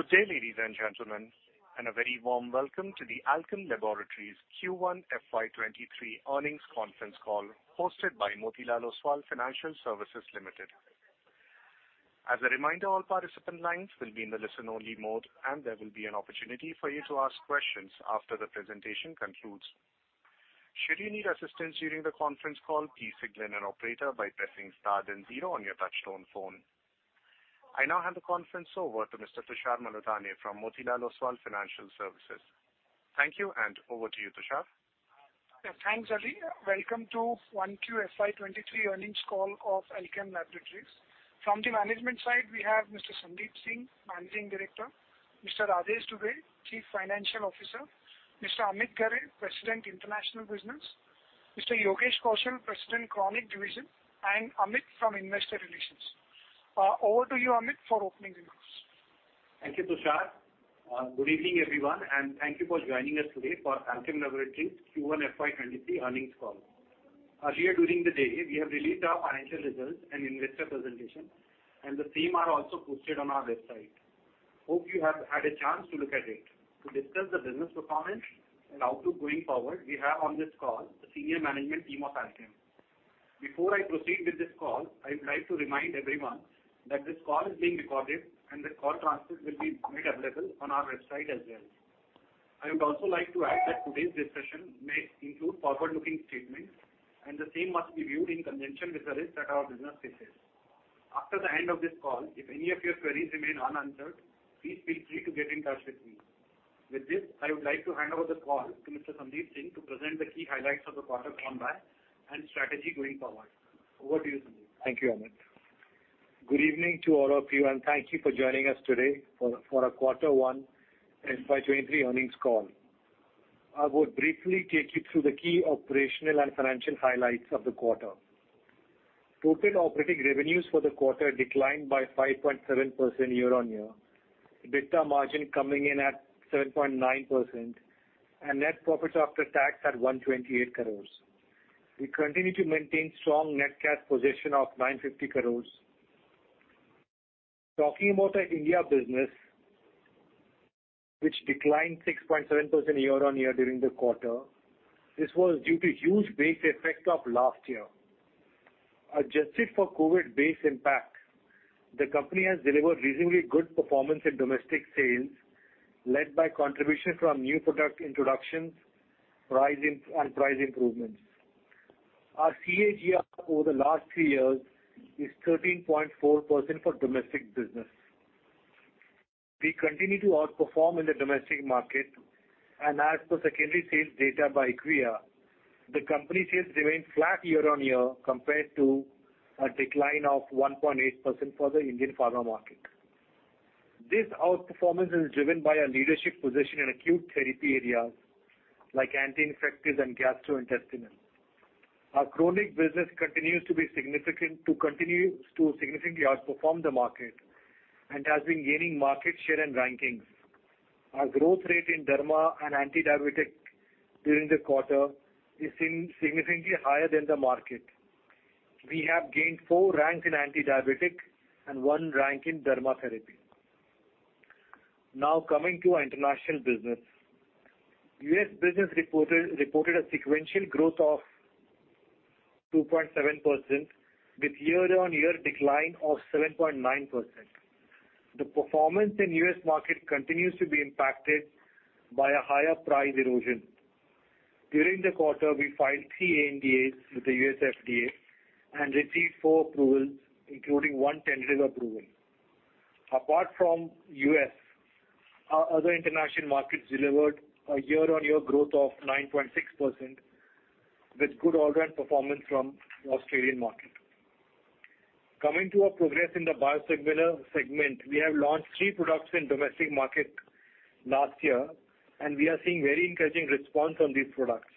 Good day, ladies and gentlemen, and a very warm welcome to the Alkem Laboratories Q1 FY23 earnings conference call hosted by Motilal Oswal Financial Services Limited. As a reminder, all participant lines will be in the listen-only mode, and there will be an opportunity for you to ask questions after the presentation concludes. Should you need assistance during the conference call, please signal an operator by pressing star then zero on your touchtone phone. I now hand the conference over to Mr. Tushar Manudhane from Motilal Oswal Financial Services. Thank you, and over to you, Tushar. Yeah. Thanks, Adil. Welcome to 1Q FY 2023 earnings call of Alkem Laboratories. From the Management side, we have Mr. Sandeep Singh, Managing Director, Mr. Rajesh Dubey, Chief Financial Officer, Mr. Amit Ghare, President, International Business, Mr. Yogesh Kaushal, President, Chronic Division, and Amit from Investor Relations. Over to you, Amit, for opening remarks. Thank you, Tushar. Good evening, everyone, and thank you for joining us today for Alkem Laboratories Q1 FY 2023 earnings call. Earlier during the day, we have released our financial results and investor presentation, and the same are also posted on our website. Hope you have had a chance to look at it. To discuss the business performance and outlook going forward, we have on this call the senior management team of Alkem. Before I proceed with this call, I would like to remind everyone that this call is being recorded, and the call transcript will be made available on our website as well. I would also like to add that today's discussion may include forward-looking statements, and the same must be viewed in conjunction with the risks that our business faces. After the end of this call, if any of your queries remain unanswered, please feel free to get in touch with me. With this, I would like to hand over the call to Mr. Sandeep Singh to present the key highlights of the quarter gone by and strategy going forward. Over to you, Sandeep. Thank you, Amit. Good evening to all of you, and thank you for joining us today for our quarter one FY 2023 earnings call. I will briefly take you through the key operational and financial highlights of the quarter. Total operating revenues for the quarter declined by 5.7% year-on-year. EBITDA margin coming in at 7.9% and net-profits after tax at 128 crore. We continue to maintain strong net cash position of 950 crore. Talking about our India business, which declined 6.7% year-on-year during the quarter, this was due to huge base effect of last year. Adjusted for COVID-base impact, the company has delivered reasonably good performance in domestic sales, led by contribution from new product introductions and price improvements. Our CAGR over the last three years is 13.4% for Domestic business. We continue to outperform in the domestic market, and as per secondary sales data by IQVIA, the company sales remain flat year-on-year compared to a decline of 1.8% for the Indian pharma market. This outperformance is driven by a leadership position in acute therapy areas like anti-infectives and gastrointestinal. Our Chronic business continues to significantly outperform the market and has been gaining market share and rankings. Our growth rate in derma and antidiabetic during the quarter is significantly higher than the market. We have gained four ranks in antidiabetic and one rank in derma therapy. Now coming to our International business. U.S. business reported a sequential growth of 2.7% with year-on-year decline of 7.9%. The performance in U.S. market continues to be impacted by a higher price erosion. During the quarter, we filed three ANDAs with the U.S. FDA and received four approvals, including one tentative approval. Apart from U.S., our other international markets delivered a year-on-year growth of 9.6% with good order and performance from the Australian market. Coming to our progress in the biosimilar segment, we have launched three products in domestic market last year, and we are seeing very encouraging response on these products.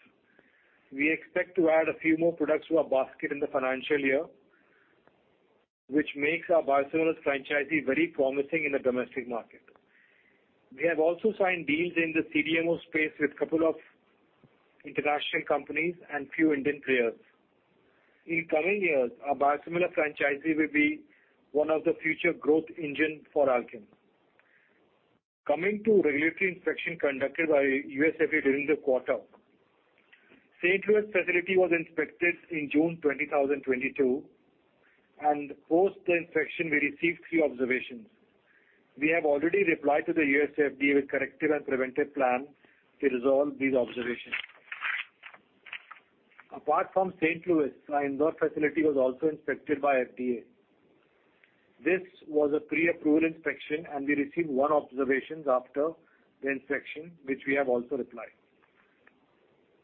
We expect to add a few more products to our basket in the financial year, which makes our biosimilars franchise very promising in the domestic market. We have also signed deals in the CDMO space with couple of international companies and few Indian players. In coming years, our biosimilar franchise will be one of the future growth engine for Alkem. Coming to regulatory inspection conducted by U.S. FDA during the quarter. St. Louis facility was inspected in June 2022, and post the inspection we received three observations. We have already replied to the U.S. FDA with corrective and preventive plan to resolve these observations. Apart from St. Louis, our Indore facility was also inspected by FDA. This was a pre-approval inspection, and we received one observations after the inspection, which we have also replied.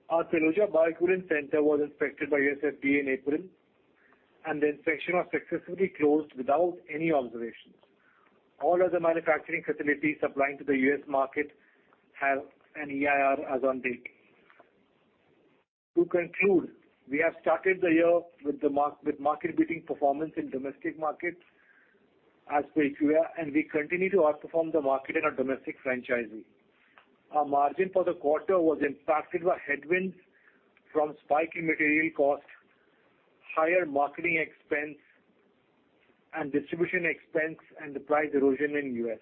Our Sellozia Biocurin Center was inspected by U.S. FDA in April, and the inspection was successfully closed without any observations. All other manufacturing facilities supplying to the U.S. market have an EIR as on date. To conclude, we have started the year with market-beating performance in domestic markets as per IQVIA, and we continue to outperform the market in our domestic franchisee. Our margin for the quarter was impacted by headwinds from spike in material costs, higher marketing expense and distribution expense and the price erosion in U.S.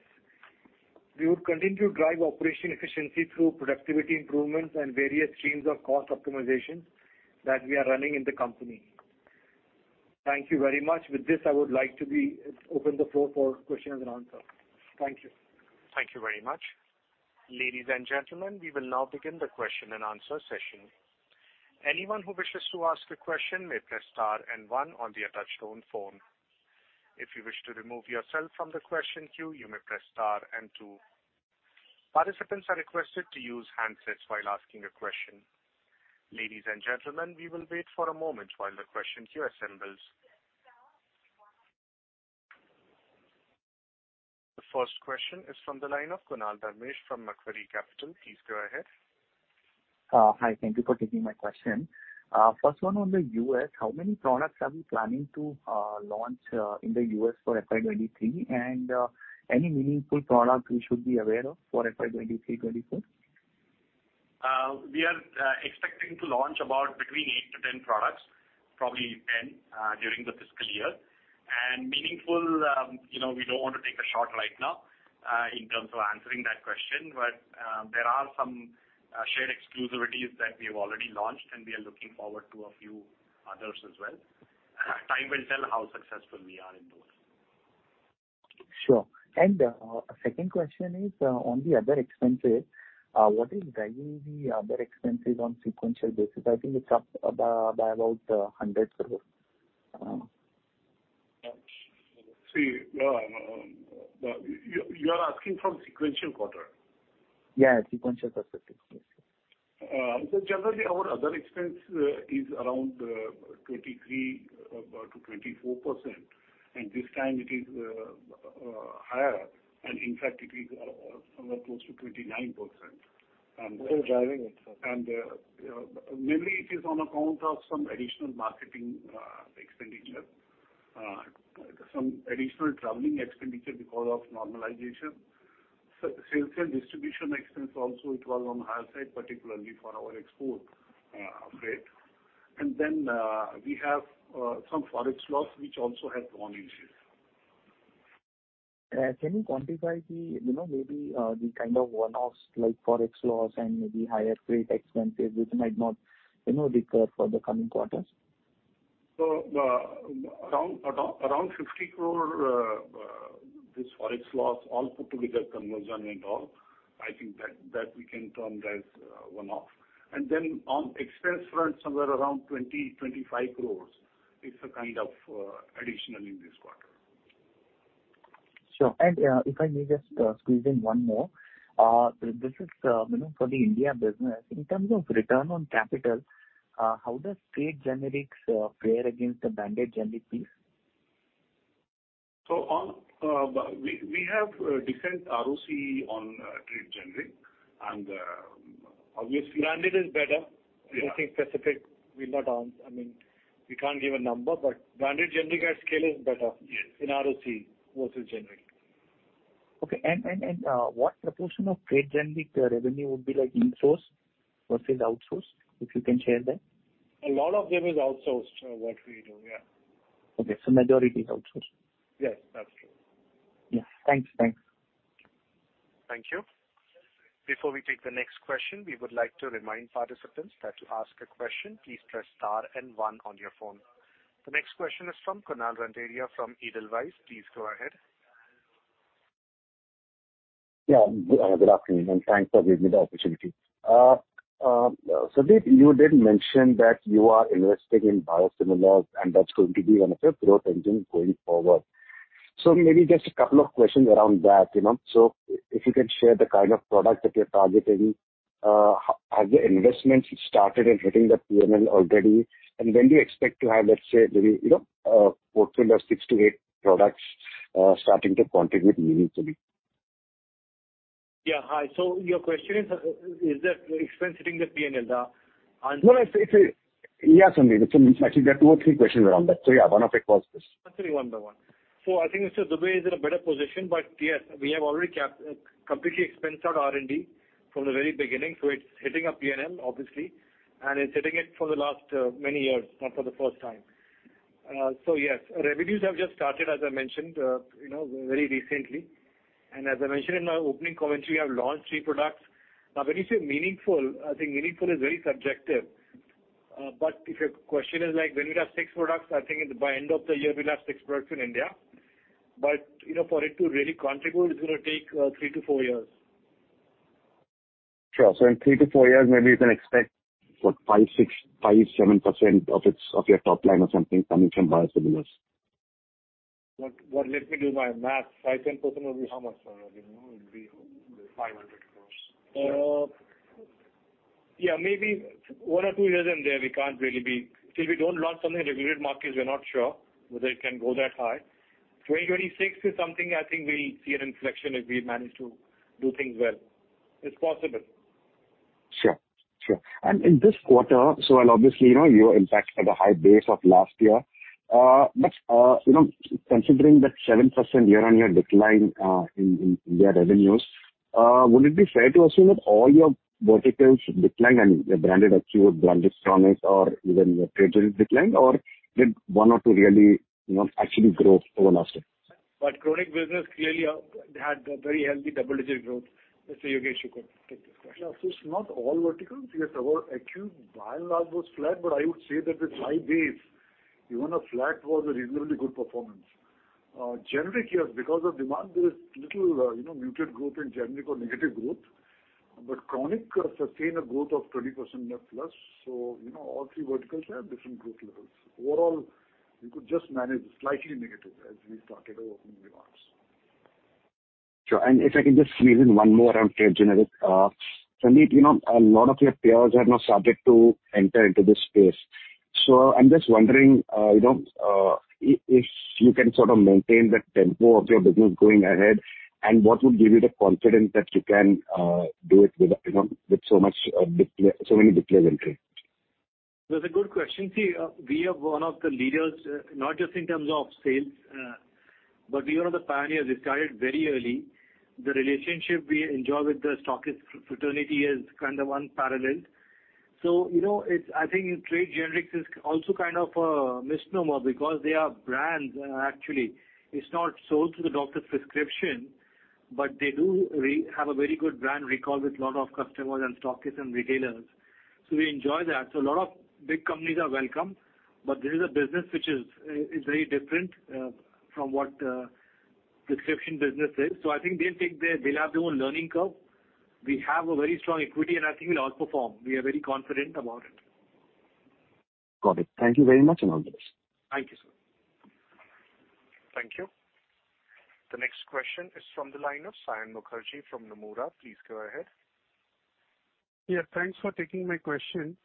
We would continue to drive operation efficiency through productivity improvements and various streams of cost optimization that we are running in the company. Thank you very much. With this, I would like to open the floor for question and answer. Thank you. Thank you very much. Ladies and gentlemen, we will now begin the question and answer session. Anyone who wishes to ask a question may press star and one on the touchtone phone. If you wish to remove yourself from the question queue, you may press star and two. Participants are requested to use handsets while asking a question. Ladies and gentlemen, we will wait for a moment while the question queue assembles. The first question is from the line of Kunal Dhamesha from Macquarie Capital. Please go ahead. Hi. Thank you for taking my question. First one on the U.S., how many products are you planning to launch in the U.S. for FY 2023? Any meaningful product we should be aware of for FY 2023-2024? We are expecting to launch about between eight to 10 products, probably 10, during the fiscal year. Meaningful, you know, we don't want to take a shot right now, in terms of answering that question. There are some shared exclusivities that we have already launched, and we are looking forward to a few others as well. Time will tell how successful we are in those. Sure. Second question is on the other expenses. What is driving the other expenses on sequential basis? I think it's up about 100 crore. See, you're asking from sequential quarter? Yeah, sequential basis. Yes. Generally our other expense is around 23% to 24%, and this time it is higher, and in fact it is close to 29%. What is driving it? You know, mainly it is on account of some additional marketing expenditure, some additional traveling expenditure because of normalization. Sales and distribution expense also it was on the higher side, particularly for our export freight. Then, we have some Forex loss which also has gone in here. Can you quantify the, you know, maybe the kind of one-offs like Forex loss and maybe higher freight expenses which might not, you know, recur for the coming quarters? Around 50 crore this Forex loss all put together, conversion and all, I think that we can term as one-off. On expense front, somewhere around 20 crores- 25 crores is the kind of additional in this quarter. Sure. If I may just squeeze in one more. This is, you know, for the India business. In terms of return on capital, how does trade generics fare against the branded generic piece? We have a decent ROC on trade generics and obviously. Branded is better. Yeah. Anything specific? I mean, we can't give a number, but branded generic at scale is better. Yes. in ROC versus generic. What proportion of trade generics revenue would be like in-source versus outsource, if you can share that? A lot of them is outsourced, what we do, yeah. Okay. Majority is outsourced. Yes, that's true. Yeah. Thanks. Thanks. Thank you. Before we take the next question, we would like to remind participants that to ask a question, please press star and one on your phone. The next question is from Kunal Randeria from Edelweiss. Please go ahead. Yeah. Good afternoon, and thanks for giving me the opportunity. Sandeep, you did mention that you are investing in biosimilars, and that's going to be one of your growth engines going forward. Maybe just a couple of questions around that, you know. If you can share the kind of product that you're targeting, has the investments started and hitting the P&L already? When do you expect to have, let's say, maybe, you know, a portfolio of six to eight products starting to contribute meaningfully? Yeah. Hi. Your question is the expense hitting the P&L? No, no. Yeah, Sandeep. Actually, there are two or three questions around that. Yeah, one of it was this. I'll take one by one. I think Mr. Dubey is in a better position. Yes, we have already completely expensed out R&D from the very beginning, so it's hitting our P&L, obviously, and it's hitting it for the last many years, not for the first time. Yes, revenues have just started, as I mentioned, you know, very recently. As I mentioned in my opening commentary, we have launched three products. Now, when you say meaningful, I think meaningful is very subjective. But if your question is like when we'll have six products, I think by end of the year we'll have six products in India. You know, for it to really contribute, it's gonna take three to four years. Sure. In three to four years, maybe we can expect, what, 5.6%-5.7% of your top line or something coming from biosimilars. Well, let me do my math. 5.7% will be how much? You know, it'll be 500 crore. Yeah, maybe one or two years in there. Till we don't launch something in regulated markets, we're not sure whether it can go that high. 2026 is something I think we'll see an inflection if we manage to do things well. It's possible. Sure. Sure. In this quarter, well obviously, you know, you were impacted at a high base of last year. But, you know, considering that 7% year-on-year decline in India revenues, would it be fair to assume that all your verticals declined and your branded acute, branded chronic or even your trade gen declined or did one or two really, you know, actually grow over last year? Chronic business clearly had a very healthy double-digit growth. Mr. Yogesh Kaushal, you could take this question. Yeah. It's not all verticals. Yes, our acute by and large was flat, but I would say that with high base, even a flat was a reasonably good performance. Generic, yes, because of demand, there is little, you know, muted growth in generic or negative growth. Chronic sustained a growth of 20% net plus. You know, all three verticals have different growth levels. Overall, we could just manage slightly negative as we started our opening remarks. Sure. If I can just squeeze in one more on trade generics. Sandeep, you know, a lot of your peers have now started to enter into this space. I'm just wondering, if you can sort of maintain the tempo of your business going ahead and what would give you the confidence that you can do it with, you know, with so many bit players entering? That's a good question. See, we are one of the leaders, not just in terms of sales, but we are the pioneers. We started very early. The relationship we enjoy with the stockist fraternity is kind of unparalleled. You know, it's I think trade generics is also kind of a misnomer because they are brands actually. It's not sold through the doctor's prescription, but they do have a very good brand recall with a lot of customers and stockists and retailers. We enjoy that. A lot of big companies are welcome. But this is a business which is very different from what prescription business is. I think they'll have their own learning curve. We have a very strong equity, and I think we'll outperform. We are very confident about it. Got it. Thank you very much, and all the best. Thank you, sir. Thank you. The next question is from the line of Saion Mukherjee from Nomura. Please go ahead. Yeah, thanks for taking my question.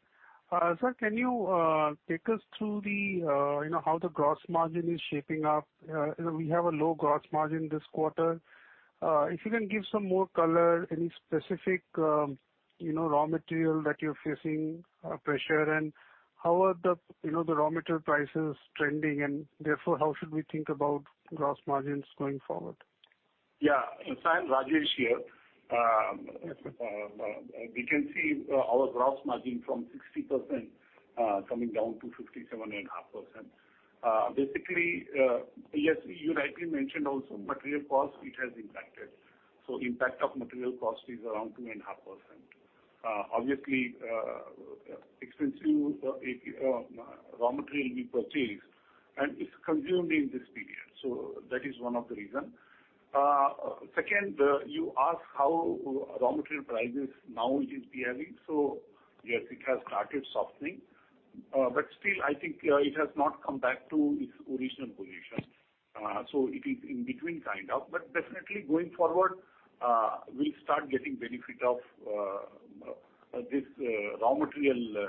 Sir, can you take us through the, you know, how the gross margin is shaping up? You know, we have a low gross margin this quarter. If you can give some more color, any specific, you know, raw material that you're facing pressure and how are the, you know, the raw material prices trending and therefore, how should we think about gross margins going forward? Yeah. Saion, Rajesh here. We can see our gross margin from 60%, coming down to 57.5%. Basically, yes, you rightly mentioned also material cost, it has impacted. Impact of material cost is around 2.5%. Obviously, expensive API raw material we purchased, and it's consumed in this period. That is one of the reason. Second, you ask how raw material prices now is behaving. Yes, it has started softening. Still I think, it has not come back to its original position. It is in between kind of. Definitely going forward, we'll start getting benefit of this raw material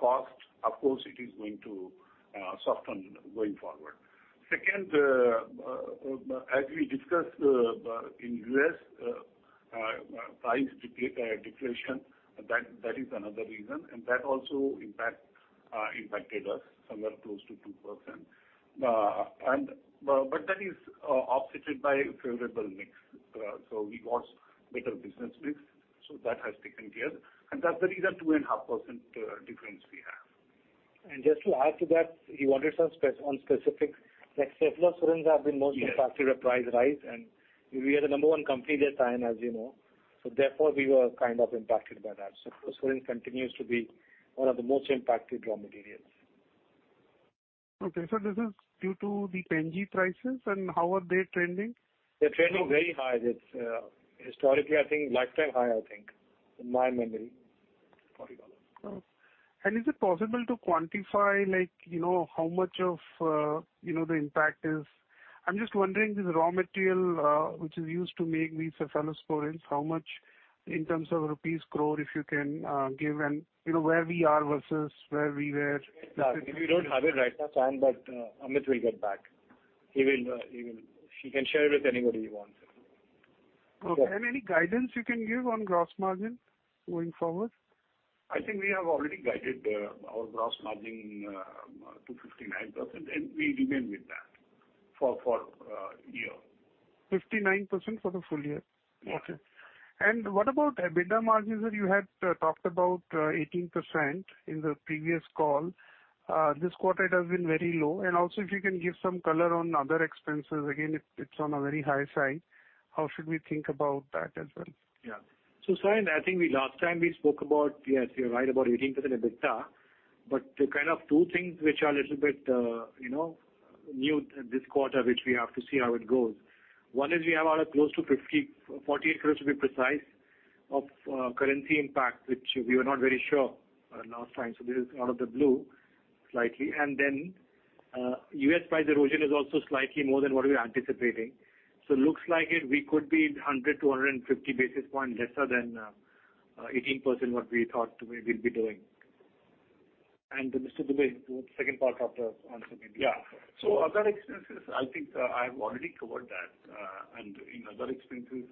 cost. Of course, it is going to soften going forward. Second, as we discussed, in U.S., price depletion, that is another reason, and that also impacted us somewhere close to 2%. But that is offset by favorable mix. We got better business mix, so that has taken care. That's the reason 2.5% difference we have. Just to add to that, you wanted some specific, like cephalosporins have been most impacted. Yes. With price rise, and we are the number one company there, Saion, as you know. Therefore we were kind of impacted by that. Cephalosporin continues to be one of the most impacted raw materials. Okay. This is due to the PNG prices and how are they trending? They're trending very high. It's historically, I think lifetime high, I think, in my memory, $40. Is it possible to quantify, like, you know, how much of, you know, the impact is? I'm just wondering, this raw material, which is used to make these cephalosporins, how much in terms of rupees crore, if you can give and, you know, where we are versus where we were last year. We don't have it right now, Saion, but Amit will get back. He will, he can share with anybody he wants. Okay. Any guidance you can give on gross margin going forward? I think we have already guided our gross margin to 59%, and we remain with that for year. 59% for the full year? Yes. Okay. What about EBITDA margins that you had talked about, 18% in the previous call? This quarter it has been very low. Also if you can give some color on other expenses. Again, it's on a very high side. How should we think about that as well? Yeah. Saion, I think last time we spoke about, yes, you're right about 18% EBITDA, but there are kind of two things which are a little bit, you know, new this quarter, which we have to see how it goes. One is we have about close to 50, 48 crore to be precise, of currency impact, which we were not very sure last time. This is out of the blue slightly. And then, U.S. price erosion is also slightly more than what we were anticipating. Looks like it, we could be 100 to 150 basis points lesser than 18% what we thought we will be doing. And Mr. Dubey, do second part after answering me. Yeah. Other expenses, I think I've already covered that. In other expenses,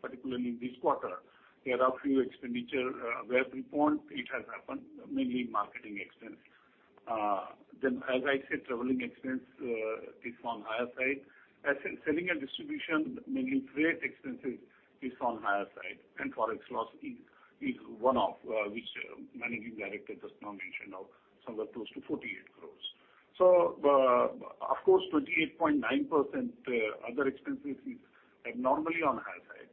particularly this quarter, there are few expenditure, where we point it has happened, mainly marketing expense. Then as I said, traveling expense is on higher side. In selling and distribution, mainly trade expenses is on higher side, and Forex loss is one-off, which managing director just now mentioned of somewhere close to 48 crore. Of course, 28.9% other expenses is abnormally on high side.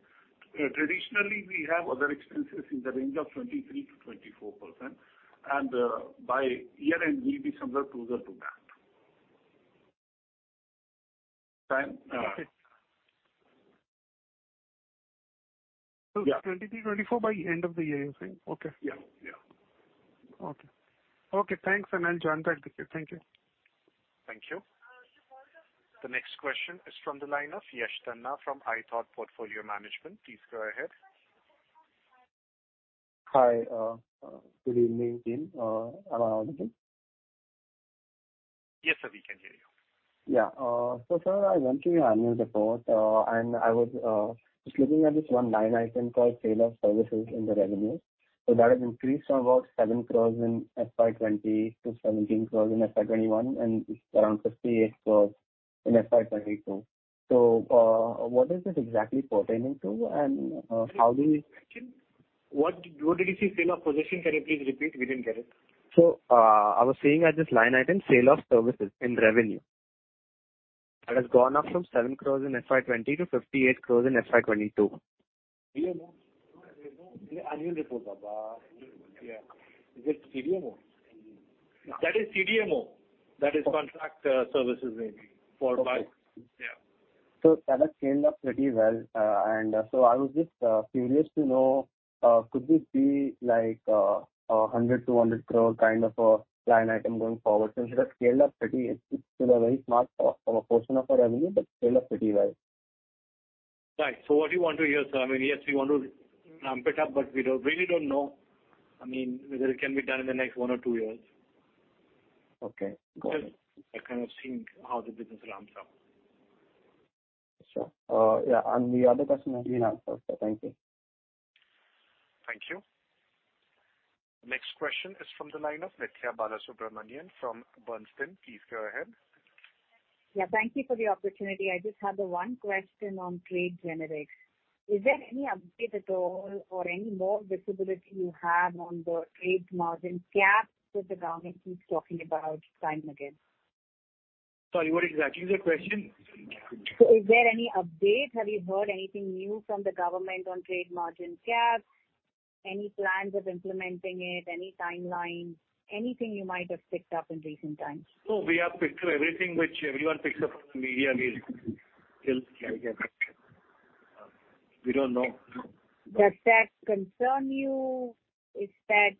Traditionally, we have other expenses in the range of 23%-24%, and by year-end we'll be somewhere closer to that. Time? So- Yeah. 2023, 2024 by end of the year, you're saying? Okay. Yeah, yeah. Okay. Okay, thanks, and I'll join back the queue. Thank you. Thank you. The next question is from the line of Yash Tanna from ithought Financial Consulting LLP. Please go ahead. Hi, good evening, Aman Aloke. Yes, sir, we can hear you. Yeah. Sir, I went through your annual report, and I was just looking at this one line item called sale of services in the revenue. That has increased from about 7 crore in FY 2020 to 17 crore in FY 2021, and it's around 58 crore in FY 2022. What is it exactly pertaining to and how do you- What did you say sale of possession? Can you please repeat? We didn't get it. I was seeing at this line item, Sale of Services in revenue. That has gone up from 7 crores in FY 2020 to 58 crores in FY 2022. annual report. Yeah. Is it CDMO? That is CDMO. That is contract, services maybe for bio. Okay. Yeah. That has scaled up pretty well. I was just curious to know, could we see like a 100 crore-200 crore kind of a line item going forward? Since it has scaled up pretty. It's still a very small portion of our revenue, but scaled up pretty well. Right. What you want to hear, sir, I mean, yes, we want to ramp it up, but we don't, really don't know, I mean, whether it can be done in the next one or two years. Okay. Got it. Just, I cannot see how the business ramps up. Sure. Yeah, and the other question has been answered, so thank you. Thank you. Next question is from the line of Nithya Balasubramanian from Bernstein. Please go ahead. Yeah, thank you for the opportunity. I just had the one question on trade generics. Is there any update at all or any more visibility you have on the trade margin caps that the government keeps talking about time and again? Sorry, what exactly is your question? Is there any update? Have you heard anything new from the government on trade margin caps? Any plans of implementing it? Any timeline? Anything you might have picked up in recent times? No, we have picked up everything which everyone picks up from the media. We still can't get back. We don't know. Does that concern you? Is that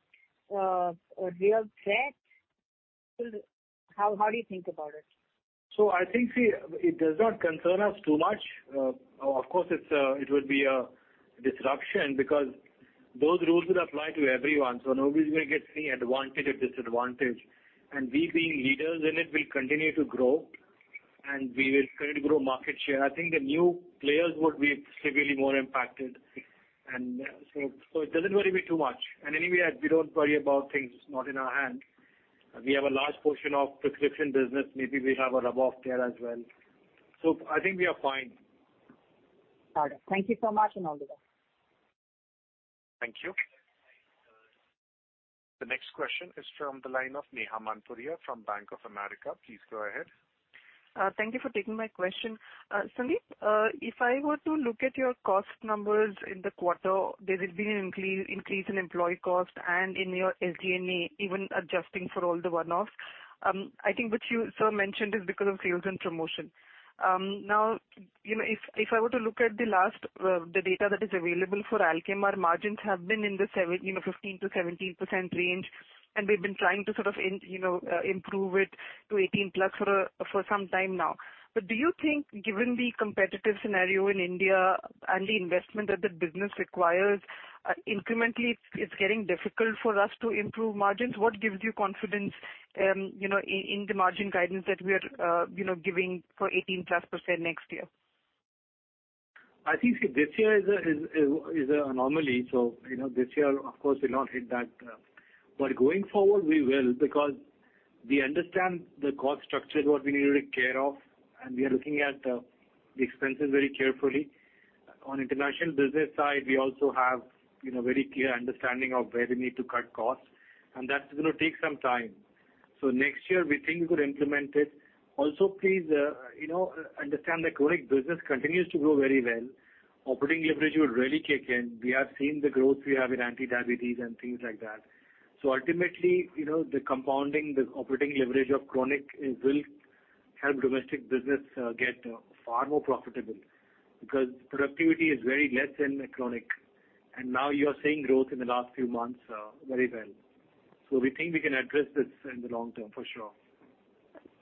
a real threat? How do you think about it? I think, see, it does not concern us too much. Of course, it would be a disruption because those rules would apply to everyone, so nobody will get any advantage or disadvantage. We being leaders in it, will continue to grow and we will continue to grow market share. I think the new players would be severely more impacted. It doesn't worry me too much. Anyway, we don't worry about things not in our hands. We have a large portion of prescription business, maybe we have a rub off there as well. I think we are fine. Got it. Thank you so much, and all the best. Thank you. The next question is from the line of Neha Manpuria from Bank of America. Please go ahead. Thank you for taking my question. Sandeep, if I were to look at your cost numbers in the quarter, there has been an increase in employee cost and in your SG&A, even adjusting for all the one-offs. I think what you, sir, mentioned is because of sales and promotion. Now, you know, if I were to look at the data that is available for Alkem, our margins have been in the 15%-17% range. We've been trying to sort of improve it to 18%+ for some time now. Do you think given the competitive scenario in India and the investment that the business requires, incrementally it's getting difficult for us to improve margins? What gives you confidence, you know, in the margin guidance that we are, you know, giving for 18%+ next year? I think, see, this year is an anomaly. You know, this year, of course, we'll not hit that. But going forward, we will because we understand the cost structure, what we need to take care of, and we are looking at the expenses very carefully. On international business side, we also have, you know, very clear understanding of where we need to cut costs, and that's gonna take some time. Next year we think we could implement it. Also, please, you know, understand that chronic business continues to grow very well. Operating leverage will really kick in. We have seen the growth we have in anti-diabetes and things like that. Ultimately, you know, the compounding, the operating leverage of chronic will help domestic business get far more profitable because productivity is very less in chronic. Now you are seeing growth in the last few months, very well. We think we can address this in the long term for sure.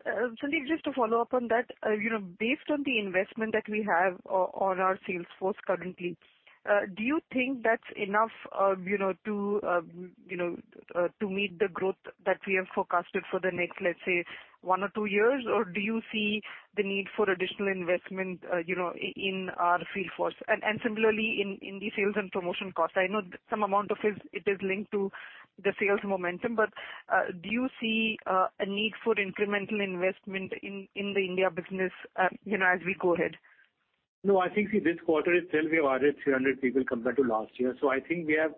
Sandeep, just to follow up on that. You know, based on the investment that we have on our sales force currently, do you think that's enough, you know, to meet the growth that we have forecasted for the next, let's say, one or two years? Or do you see the need for additional investment, you know, in our field force? Similarly in the sales and promotion costs. I know some amount of it is linked to the sales momentum, but, do you see a need for incremental investment in the India business, you know, as we go ahead? No, I think this quarter itself we have added 300 people compared to last year. I think we have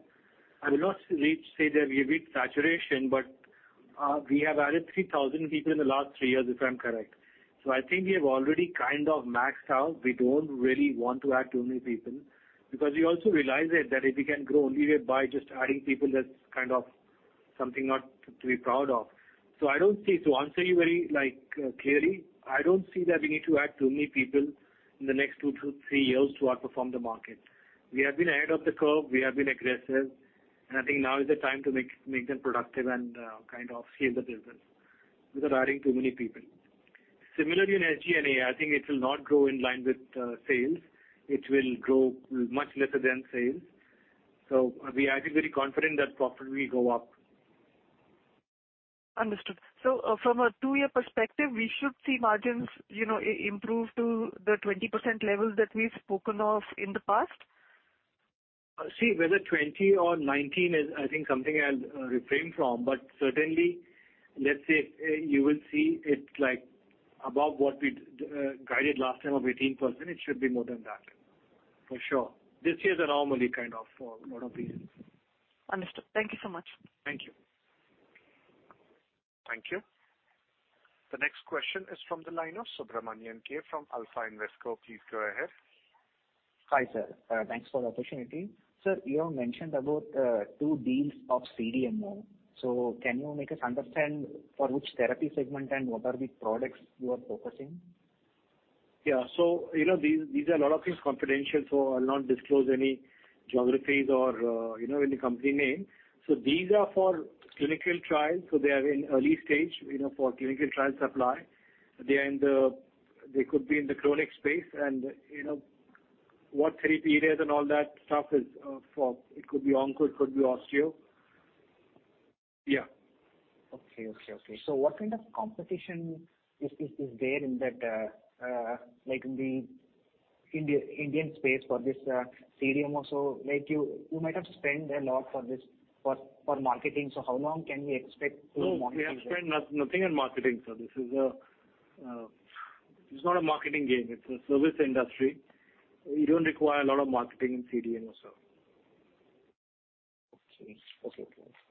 I will not say that we have reached saturation, but, we have added 3,000 people in the last three years, if I'm correct. I think we have already kind of maxed out. We don't really want to add too many people because we also realize that if we can grow only by just adding people, that's kind of something not to be proud of. I don't see. To answer you very, like, clearly, I don't see that we need to add too many people in the next two to three years to outperform the market. We have been ahead of the curve. We have been aggressive, and I think now is the time to make them productive and kind of scale the business without adding too many people. Similarly, in SG&A, I think it will not grow in line with sales. It will grow much lesser than sales. I think very confident that profit will go up. Understood. From a two-year perspective, we should see margins, you know, improve to the 20% levels that we've spoken of in the past? See, whether 20% or 19% is, I think, something I'll refrain from, but certainly, let's say you will see it's like above what we guided last time of 18%. It should be more than that, for sure. This year is anomaly kind of for a lot of reasons. Understood. Thank you so much. Thank you. Thank you. The next question is from the line of Subramanian K. from Alpha Invesco. Please go ahead. Hi, sir. Thanks for the opportunity. Sir, you have mentioned about two deals of CDMO. Can you make us understand for which therapy segment and what are the products you are focusing? Yeah. You know, these are a lot of things confidential, so I'll not disclose any geographies or, you know, any company name. These are for clinical trials, so they are in early stage, you know, for clinical trial supply. They could be in the chronic space and, you know, what therapy areas and all that stuff is for. It could be onco, it could be osteo. Yeah. Okay. What kind of competition is there in that, like, in the Indian space for this CDMO? Like, you might have spent a lot for this for marketing, how long can we expect to market it? No, we have spent nothing on marketing, sir. This is not a marketing game. It's a service industry. You don't require a lot of marketing in CDMO, sir.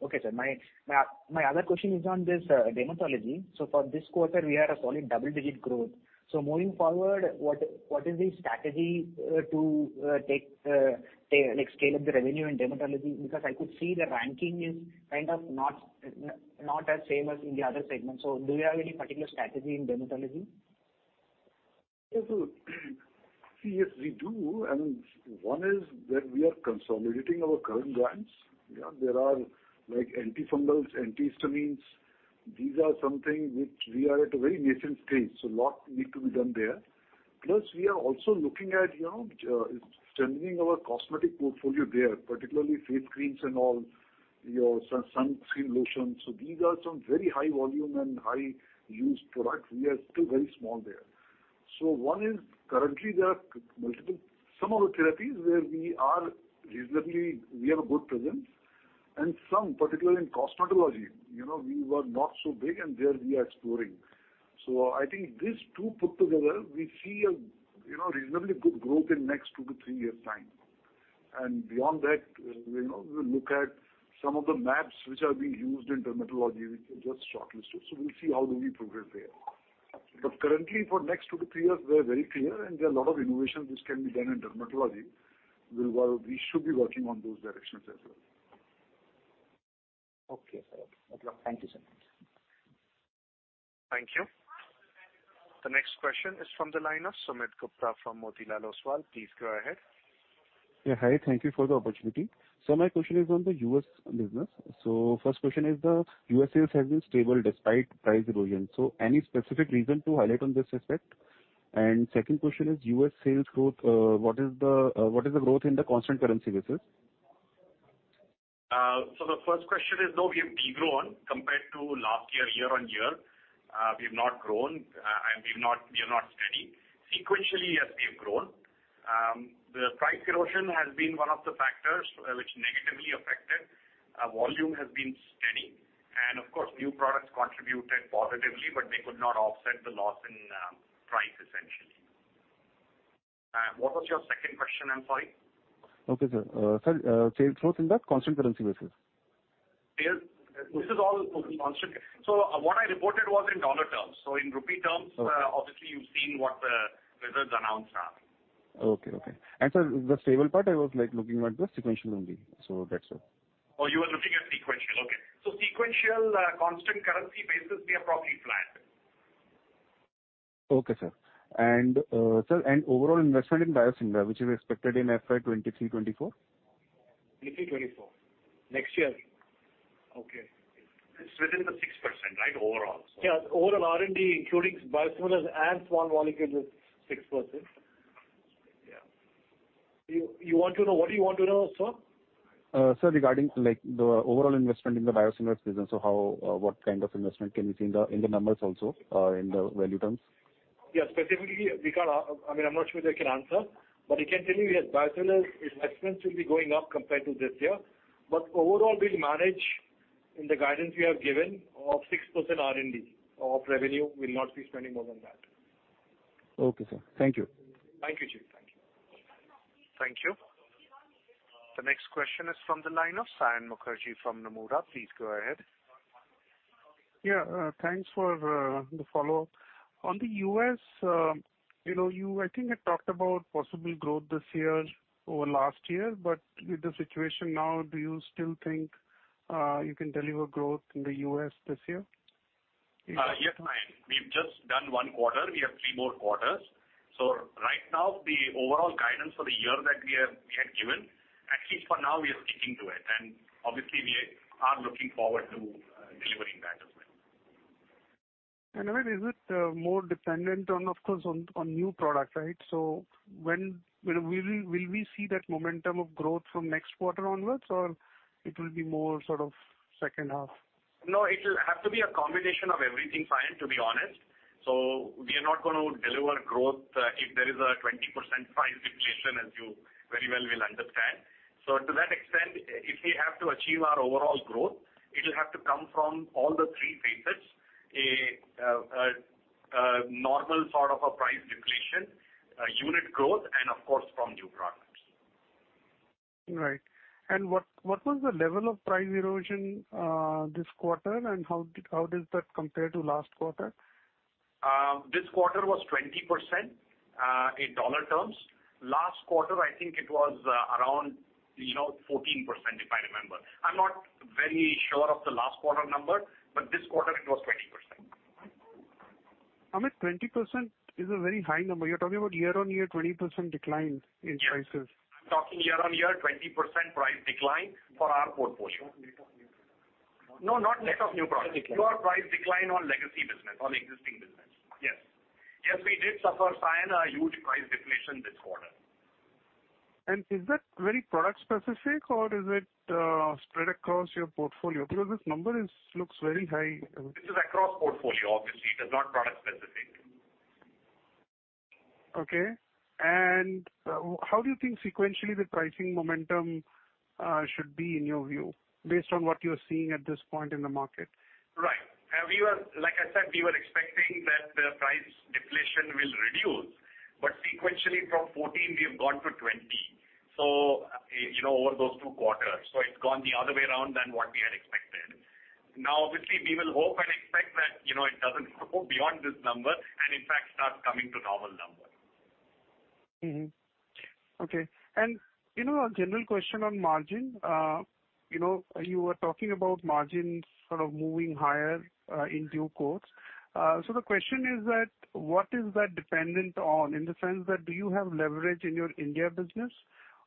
Okay, sir. My other question is on this dermatology. For this quarter, we had a solid double-digit growth. Moving forward, what is the strategy to take like scale up the revenue in dermatology? Because I could see the ranking is kind of not as same as in the other segments. Do you have any particular strategy in dermatology? Yes, we do. One is that we are consolidating our current brands. Yeah. There are, like, antifungals, antihistamines. These are something which we are at a very nascent stage, so a lot needs to be done there. Plus, we are also looking at, you know, strengthening our cosmetics portfolio there, particularly face creams and all, our sunscreen lotions. These are some very high volume and high use products. We are still very small there. Some of the therapies where we are reasonably, we have a good presence, and some, particularly in cosmetology, you know, we were not so big and there we are exploring. I think these two put together, we see a, you know, reasonably good growth in next two to three years' time. Beyond that, you know, we'll look at some of the maps which are being used in dermatology, which we just shortlisted. We'll see how do we progress there. Currently, for next two to three years, we are very clear, and there are a lot of innovations which can be done in dermatology. We'll, we should be working on those directions as well. Okay, sir. Thank you so much. Thank you. The next question is from the line of Sumit Gupta from Motilal Oswal. Please go ahead. Yeah. Hi, thank you for the opportunity. My question is on the U.S. business. First question is the U.S. sales has been stable despite price erosion. Any specific reason to highlight on this aspect? Second question is U.S. sales growth, what is the growth in the constant currency basis? The first question is, no, we have de-grown compared to last year-over-year. We have not grown, and we are not steady. Sequentially, yes, we have grown. The price erosion has been one of the factors which negatively affected. Volume has been steady, and of course, new products contributed positively, but they could not offset the loss in price essentially. What was your second question? I'm sorry. Okay, sir. Sales growth in the constant currency basis? This is all constant. What I reported was in dollar terms. In rupee terms. Okay. Obviously, you've seen what the results announced are. Okay, okay. Sir, the stable part I was, like, looking at the sequential only. That's it. Oh, you were looking at sequential. Okay. Sequential, constant currency basis, we are probably flat. Okay, sir. Sir, overall investment in biosimilar, which is expected in FY 2023-2024? 2023, 2024. Next year. Okay. It's within the 6%, right? Overall, so. Yeah, overall R&D, including biosimilars and small molecules, is 6%. Yeah. You want to know. What do you want to know, sir? Sir, regarding to, like, the overall investment in the biosimilars business. How, what kind of investment can we see in the numbers also, in the value terms? Yeah. Specifically, we can't, I mean, I'm not sure they can answer, but I can tell you that biosimilars investments will be going up compared to this year. Overall, we'll manage. In the guidance we have given of 6% R&D of revenue, we'll not be spending more than that. Okay, sir. Thank you. Thank you, Sumit. Thank you. Thank you. The next question is from the line of Saion Mukherjee from Nomura. Please go ahead. Yeah, thanks for the follow-up. On the U.S., you know, you I think had talked about possible growth this year over last year. With the situation now, do you still think you can deliver growth in the U.S. this year? Yes, Saion. We've just done one quarter. We have three more quarters. Right now the overall guidance for the year that we have, we had given, at least for now, we are sticking to it. Obviously we are looking forward to delivering that as well. Amit, is it more dependent on, of course, on new product, right? When will we see that momentum of growth from next quarter onwards, or it will be more sort of second half? No, it'll have to be a combination of everything, Sayan, to be honest. We are not gonna deliver growth if there is a 20% price deflation, as you very well will understand. To that extent, if we have to achieve our overall growth, it'll have to come from all the three phases, a normal sort of a price deflation, unit growth and of course from new products. Right. What was the level of price erosion this quarter? How does that compare to last quarter? This quarter was 20% in dollar terms. Last quarter, I think it was around, you know, 14%, if I remember. I'm not very sure of the last quarter number, but this quarter it was 20%. Amit, 20% is a very high number. You're talking about year-on-year 20% decline in prices. Yes. I'm talking year-over-year 20% price decline for our portfolio. No, not net of new products. Price decline. Pure price decline on legacy business, on existing business. Yes. Yes, we did suffer, Saion, a huge price deflation this quarter. Is that very product specific or is it, spread across your portfolio? Because this number is, looks very high. This is across portfolio, obviously. It is not product specific. Okay. How do you think sequentially the pricing momentum should be in your view, based on what you're seeing at this point in the market? Right. Like I said, we were expecting that the price deflation will reduce. Sequentially 14%-20%, you know, over those two quarters. It's gone the other way around than what we had expected. Now, obviously we will hope and expect that, you know, it doesn't go beyond this number and in fact start coming to normal number. Mm-hmm. Okay. You know, a general question on margin. You know, you were talking about margins sort of moving higher, in due course. The question is that what is that dependent on, in the sense that do you have leverage in your India business,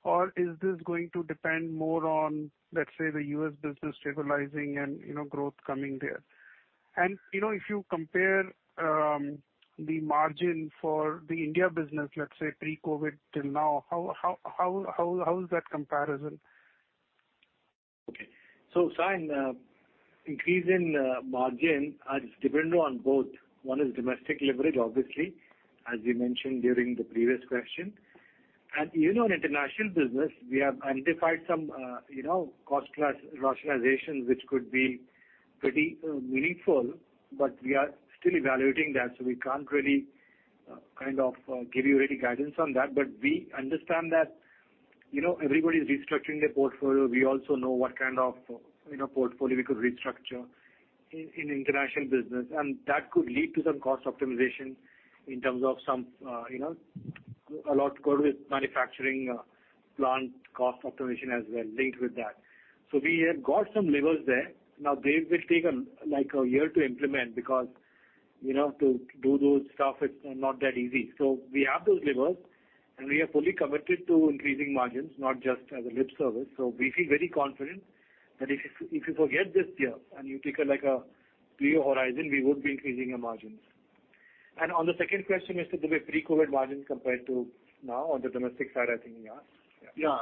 or is this going to depend more on, let's say, the U.S. business stabilizing and, you know, growth coming there? You know, if you compare, the margin for the India business, let's say pre-COVID till now, how is that comparison? Okay. Saion, increase in margin is dependent on both. One is domestic leverage, obviously, as we mentioned during the previous question. Even on international business we have identified some, you know, cost rationalization, which could be pretty meaningful, but we are still evaluating that, so we can't really kind of give you ready guidance on that. We understand that, you know, everybody is restructuring their portfolio. We also know what kind of, you know, portfolio we could restructure in international business, and that could lead to some cost optimization in terms of some, you know, a lot to do with manufacturing plant cost optimization as well linked with that. We have got some levers there. Now, they will take like a year to implement because, you know, to do those stuff it's not that easy. We have those levers, and we are fully committed to increasing margins, not just as a lip service. We feel very confident that if you forget this year and you take, like, a three-year horizon, we would be increasing our margins. On the second question as to the pre-COVID margins compared to now on the domestic side, I think you asked? Yeah.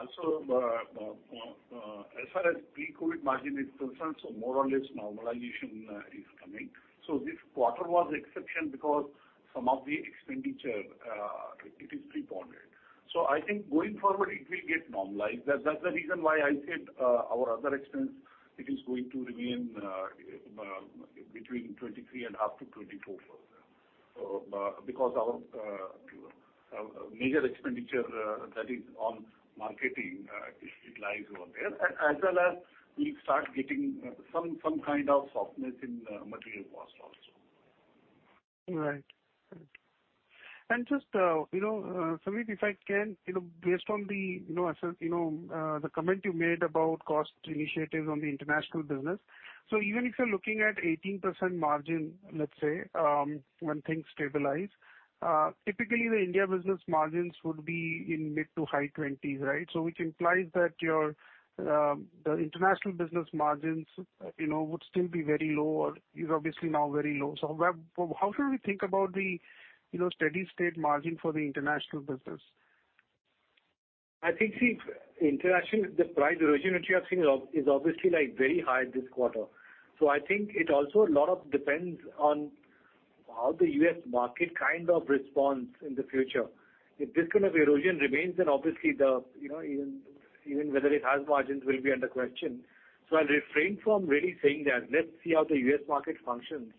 As far as pre-COVID margin is concerned, more or less normalization is coming. This quarter was exception because some of the expenditure, it is pre-COVID. I think going forward it will get normalized. That's the reason why I said, our other expense, it is going to remain between 23.5%-24%. Because our major expenditure, that is on marketing, it lies over there. As well as we start getting some kind of softness in material cost also. Right. Just, you know, Sandeep, if I can, you know, based on the, you know, as, you know, the comment you made about cost initiatives on the international business. Even if you're looking at 18% margin, let's say, when things stabilize, typically the India business margins would be in mid- to high 20s%, right? Which implies that your, the international business margins, you know, would still be very low or is obviously now very low. Where, how should we think about the, you know, steady state margin for the international business? I think, see, international, the price erosion which you are seeing is obviously like very high this quarter. I think it also a lot of depends on how the U.S. market kind of responds in the future. If this kind of erosion remains, then obviously the, you know, even whether it has margins will be under question. I'll refrain from really saying that. Let's see how the U.S. market functions.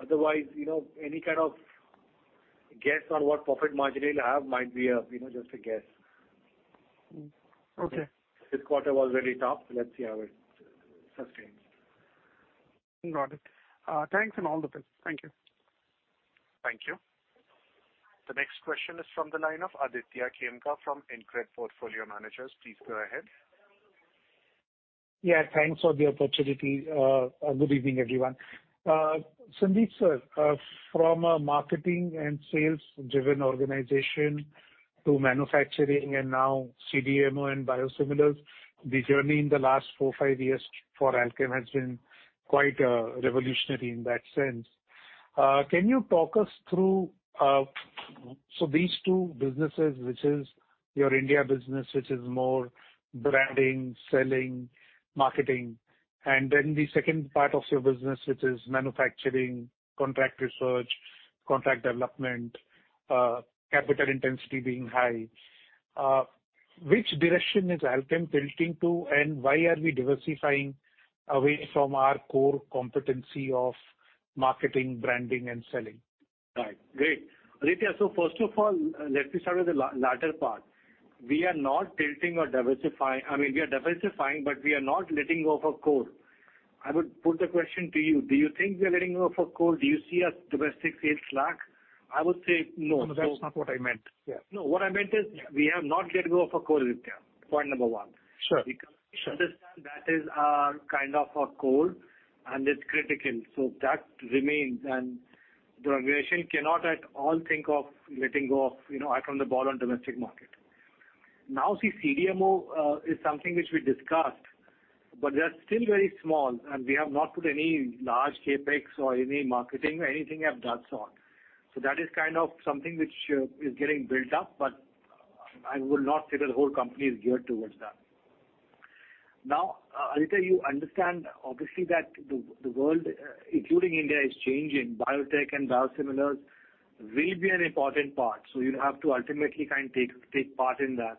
Otherwise, you know, any kind of guess on what profit margin it'll have might be a, you know, just a guess. Okay. This quarter was really tough, so let's see how it sustains. Got it. Thanks and all the best. Thank you. Thank you. The next question is from the line of Aditya Khemka from Incred Portfolio Managers. Please go ahead. Yeah, thanks for the opportunity. Good evening, everyone. Sandeep, sir, from a marketing and sales-driven organization to manufacturing and now CDMO and biosimilars, the journey in the last four, five years for Alkem has been quite revolutionary in that sense. Can you talk us through so these two businesses, which is your India business, which is more branding, selling, marketing, and then the second part of your business, which is manufacturing, contract research, contract development, capital intensity being high. Which direction is Alkem tilting to and why are we diversifying away from our core competency of marketing, branding and selling? Right. Great. Aditya, so first of all, let me start with the latter part. We are not tilting or diversifying, but we are not letting go of our core. I would put the question to you. Do you think we are letting go of our core? Do you see a domestic sales slack? I would say no. No, that's not what I meant. Yeah. No, what I meant is we have not let go of our core, Aditya, point number one. Sure. Because we understand that is our core and it's critical. That remains. The organization cannot at all think of letting go of, you know, taking our eye off the ball on domestic market. Now, see CDMO is something which we discussed, but we are still very small, and we have not put any large CapEx or any marketing or anything of that sort. That is kind of something which is getting built up, but I would not say that the whole company is geared towards that. Now, Aditya, you understand obviously that the world including India is changing. Biotech and biosimilars will be an important part, so you have to ultimately take part in that.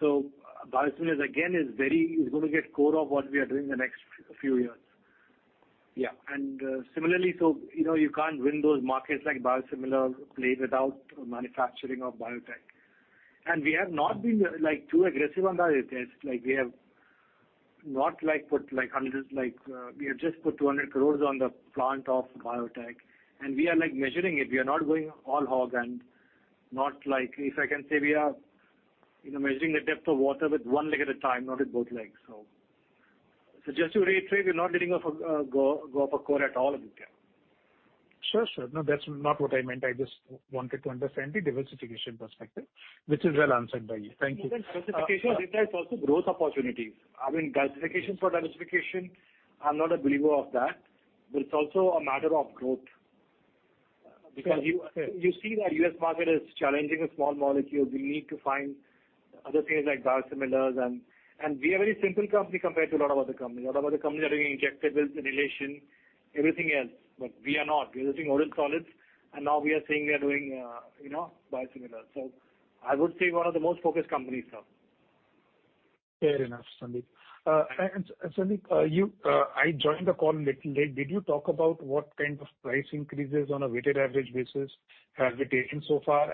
Biosimilars again is very, is gonna be core of what we are doing the next few years. Yeah. Similarly, you know, you can't win those markets like biosimilars play without manufacturing of biotech. We have not been like too aggressive on that, Aditya. Like, we have not like put like hundreds like we have just put 200 crore on the plant of biotech, and we are like measuring it. We are not going whole hog. If I can say we are, you know, measuring the depth of water with one leg at a time, not with both legs. Just to reiterate, we're not going off our core at all, Aditya. Sure, sure. No, that's not what I meant. I just wanted to understand the diversification perspective, which is well answered by you. Thank you. Even diversification, Aditya, is also growth opportunities. I mean, diversification for diversification, I'm not a believer of that. But it's also a matter of growth. Sure. Sure. You see that U.S. market is challenging with small molecules. We need to find other things like biosimilars and we are a very simple company compared to a lot of other companies. A lot of other companies are doing injectables, inhalation, everything else. But we are not. We are just doing oral solids, and now we are saying we are doing, you know, biosimilars. I would say one of the most focused companies now. Fair enough, Sandeep. I joined the call a little late. Did you talk about what kind of price increases on a weighted average basis have we taken so far?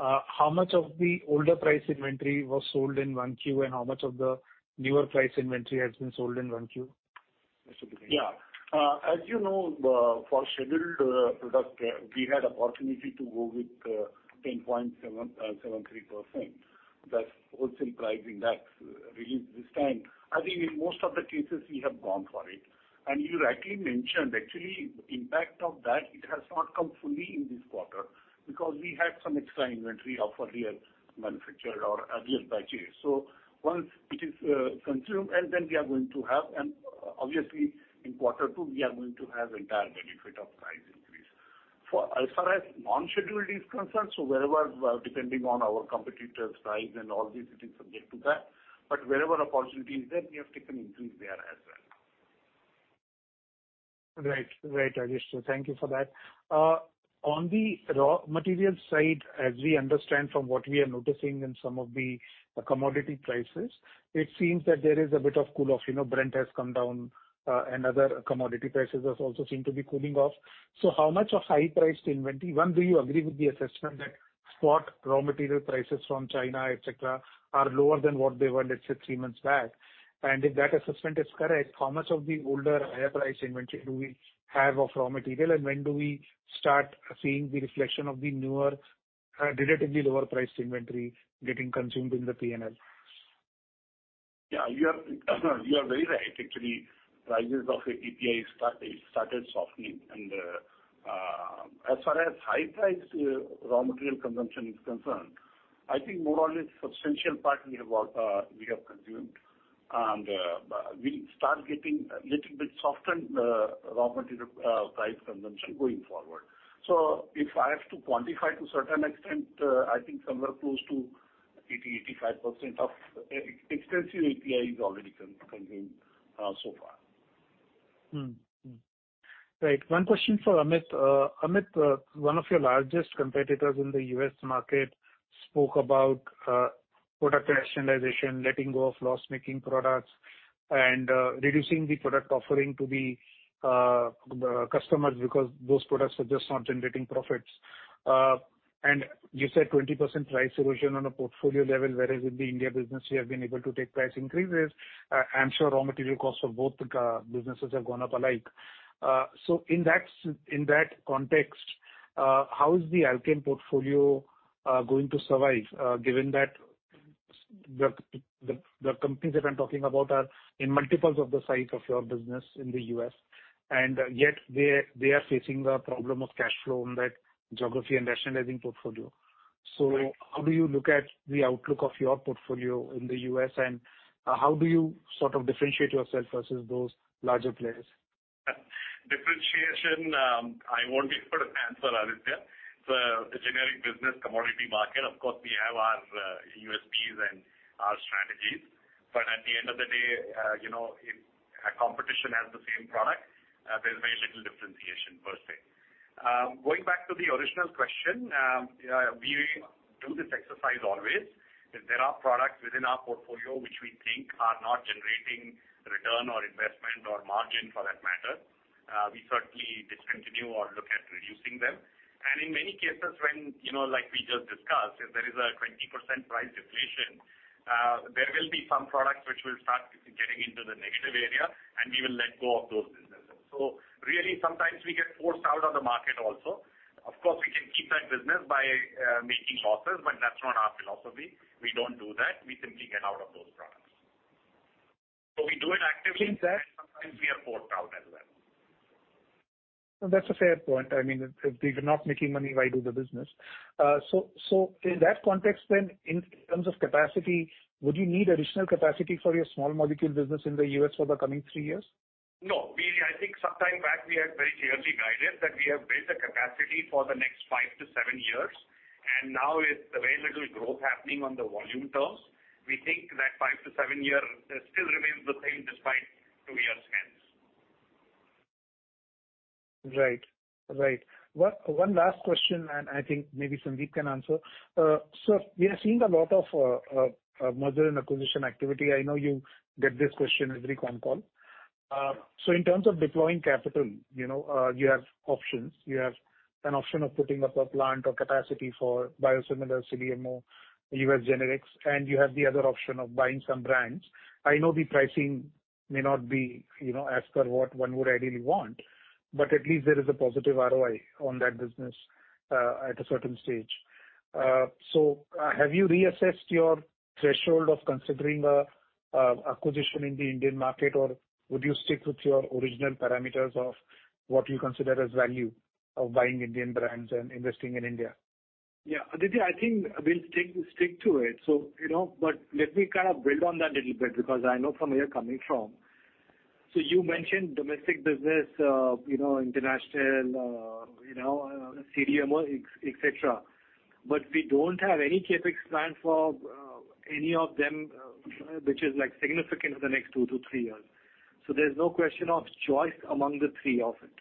How much of the older price inventory was sold in 1Q, and how much of the newer price inventory has been sold in 1Q? That should be great. Yeah. As you know, for scheduled product, we had opportunity to go with 10.773%. That's wholesale pricing that released this time. I think in most of the cases we have gone for it. You rightly mentioned actually impact of that it has not come fully in this quarter because we had some extra inventory of earlier manufactured or earlier batches. Once it is consumed and then we are going to have, and obviously in quarter two, we are going to have entire benefit of price increase. As far as non-schedule is concerned, wherever depending on our competitors' price and all these things subject to that, but wherever opportunity is there, we have taken increase there as well. Right. Right, Rajesh. Thank you for that. On the raw material side, as we understand from what we are noticing in some of the commodity prices, it seems that there is a bit of cool off. You know, Brent has come down, and other commodity prices have also seemed to be cooling off. How much of high-priced inventory? One, do you agree with the assessment that spot raw material prices from China, et cetera, are lower than what they were, let's say, three months back? And if that assessment is correct, how much of the older higher-priced inventory do we have of raw material? And when do we start seeing the reflection of the newer, relatively lower-priced inventory getting consumed in the P&L? Yeah, you are very right. Actually, prices of API started softening. As far as high priced raw material consumption is concerned, I think more or less substantial part we have consumed. We'll start getting a little bit softened raw material price consumption going forward. If I have to quantify to certain extent, I think somewhere close to 80%-85% of expensive API is already contracted so far. One question for Amit. Amit, one of your largest competitors in the U.S. market spoke about product rationalization, letting go of loss-making products and reducing the product offering to the customers because those products are just not generating profits. You said 20% price erosion on a portfolio level, whereas in the India business you have been able to take price increases. I'm sure raw material costs for both the businesses have gone up alike. In that context, how is the Alkem portfolio going to survive, given that the companies that I'm talking about are in multiples of the size of your business in the U.S., and yet they are facing the problem of cash flow in that geography and rationalizing portfolio. How do you look at the outlook of your portfolio in the U.S., and how do you sort of differentiate yourself versus those larger players? Differentiation, I won't be able to answer, Aditya. The generic business commodity market, of course, we have our USPs and our strategies, but at the end of the day, you know, if a competitor has the same product, there's very little differentiation per se. Going back to the original question, we do this exercise always. If there are products within our portfolio which we think are not generating return or investment or margin for that matter, we certainly discontinue or look at reducing them. In many cases, when you know, like we just discussed, if there is a 20% price deflation, there will be some products which will start getting into the negative area, and we will let go of those businesses. Really sometimes we get forced out of the market also. Of course, we can keep that business by making losses, but that's not our philosophy. We don't do that. We simply get out of those products. We do it actively. Okay. Sometimes we are forced out as well. That's a fair point. I mean, if we're not making money, why do the business? In that context then, in terms of capacity, would you need additional capacity for your small molecule business in the U.S. for the coming three years? No. I think sometime back we had very clearly guided that we have built the capacity for the next five to seven years, and now with the very little growth happening on the volume terms, we think that five to seven year still remains the same despite two years hence. One last question. I think maybe Sandeep can answer. We are seeing a lot of merger and acquisition activity. I know you get this question every con call. In terms of deploying capital, you know, you have options. You have an option of putting up a plant or capacity for biosimilar CDMO, U.S. generics, and you have the other option of buying some brands. I know the pricing may not be, you know, as per what one would ideally want, but at least there is a positive ROI on that business at a certain stage. Have you reassessed your threshold of considering an acquisition in the Indian market, or would you stick with your original parameters of what you consider as value of buying Indian brands and investing in India? Yeah. Aditya, I think we'll stick to it. You know, but let me kind of build on that a little bit because I know from where you're coming from. You mentioned domestic business, international, CDMO, et cetera. We don't have any CapEx plan for any of them, which is like significant in the next two to three years. There's no question of choice among the three of it.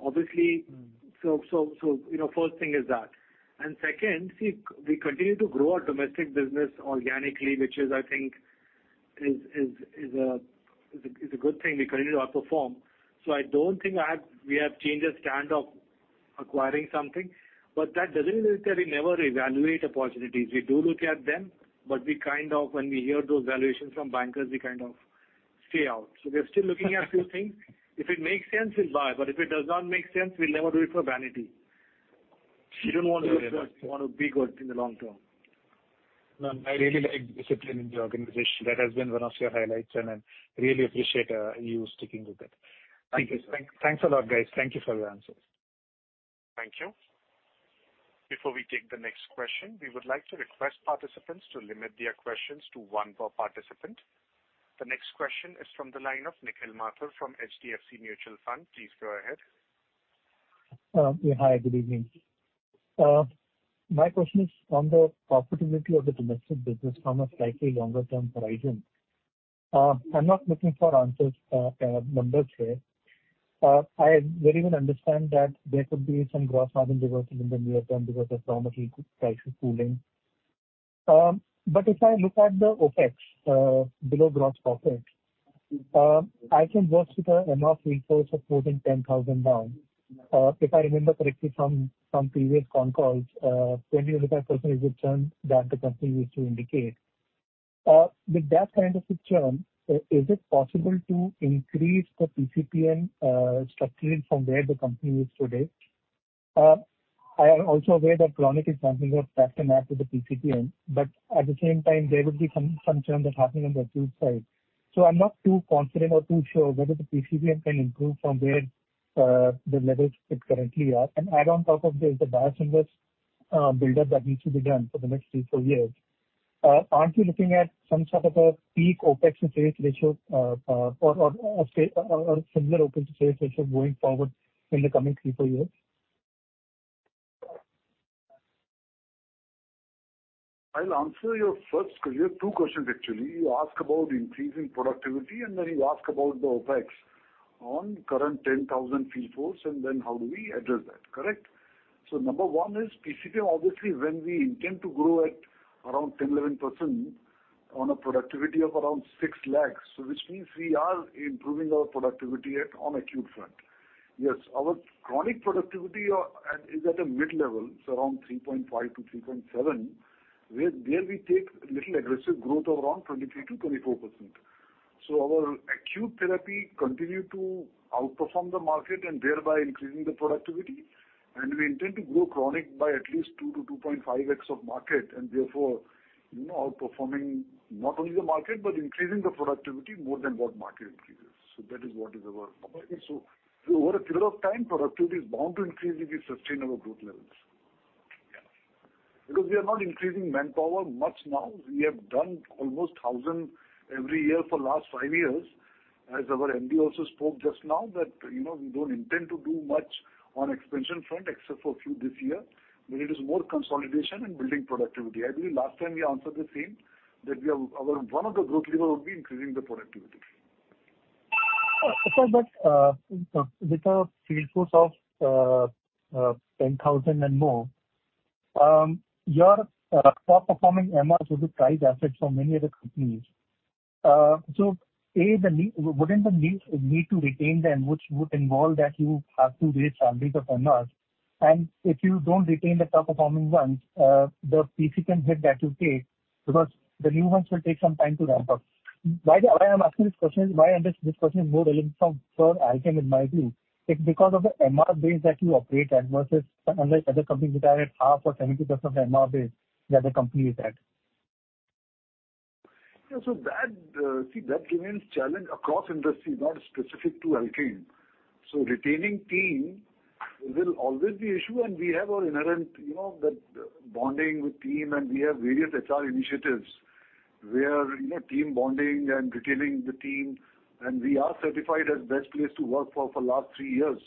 Obviously Mm-hmm. You know, first thing is that. Second, see, we continue to grow our domestic business organically, which I think is a good thing. We continue to outperform. I don't think we have changed our stance on acquiring something. That doesn't mean that we never evaluate opportunities. We do look at them, but we kind of, when we hear those valuations from bankers, we kind of stay out. We're still looking at few things. If it makes sense, we'll buy, but if it does not make sense, we'll never do it for vanity. We don't want to do that. We wanna be good in the long term. No, I really like discipline in the organization. That has been one of your highlights, and I really appreciate you sticking with it. Thank you, sir. Thanks, thanks a lot, guys. Thank you for your answers. Thank you. Before we take the next question, we would like to request participants to limit their questions to one per participant. The next question is from the line of Nikhil Mathur from HDFC Mutual Fund. Please go ahead. Yeah. Hi, good evening. My question is on the profitability of the domestic business from a slightly longer term horizon. I'm not looking for answers, numbers here. I very well understand that there could be some gross margin reversal in the near term because of raw material prices cooling. If I look at the OpEx below gross profit, I can vouch with an enough resource of more than 10,000 now. If I remember correctly from previous con calls, 20%-25% is a churn that the company used to indicate. With that kind of a churn, is it possible to increase the PCPM structuring from where the company is today? I am also aware that chronic is something that stacks the map with the PCPM, but at the same time there will be some churn that's happening on the acute side. I'm not too confident or too sure whether the PCPM can improve from where the levels it currently are. Add on top of this, the biosimilars buildup that needs to be done for the next three to four years. Aren't you looking at some sort of a peak OpEx to sales ratio, or a similar OpEx to sales ratio going forward in the coming three to four years? I'll answer your first question. You have two questions actually. You ask about increasing productivity, and then you ask about the OpEx on current 10,000 field force and then how do we address that, correct? Number one is PCP, obviously, when we intend to grow at around 10-11% on a productivity of around 6 lakhs. Which means we are improving our productivity on acute front. Yes, our chronic productivity is at a mid-level, it's around 3.5 lakhs-3.7 lakhs, where we take little aggressive growth of around 23%-24%. Our acute therapy continue to outperform the market and thereby increasing the productivity. We intend to grow chronic by at least 2x-2.5x of market, and therefore, you know, outperforming not only the market but increasing the productivity more than what market increases. That is what is our approach. Over a period of time, productivity is bound to increase if we sustain our growth levels. Yeah. Because we are not increasing manpower much now. We have done almost 1,000 every year for the last five years. As our MD also spoke just now that, you know, we don't intend to do much on expansion front except for a few this year. What we need is more consolidation and building productivity. I believe last time we answered the same, that one of our growth levers would be increasing the productivity. Sir, with a field force of 10,000 and more, your top performing MRs would be prized assets for many other companies. Wouldn't the need to retain them, which would involve that you have to raise salaries of MRs. If you don't retain the top performing ones, the PCP hit that you take because the new ones will take some time to ramp up. Why I am asking this question is, this question is more relevant for Alkem in my view, it's because of the MR base that you operate at versus unlike other companies which are at half or 70% of MR base that the company is at. That remains challenge across industry, not specific to Alkem. Retaining team will always be issue, and we have our inherent, you know, that bonding with team and we have various HR initiatives where, you know, team bonding and retaining the team, and we are certified as best place to work for last three years.